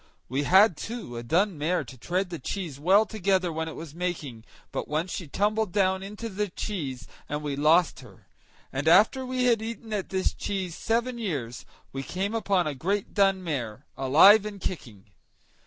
We had, too, a dun mare to tread the cheese well together when it was making; but once she tumbled down into the cheese, and we lost her; and after we had eaten at this cheese seven years, we came upon a great dun mare, alive and kicking.